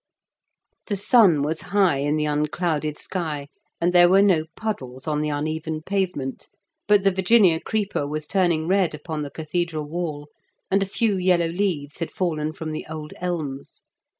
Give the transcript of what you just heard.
The sun was high in the unclouded sky, and there were no puddles on the uneven pavement; but the Virginia creeper was turning red upon the cathedral wall, and a few yellow leaves had fallen from the old elms.